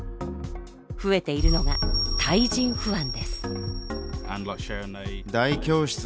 増えているのが対人不安です。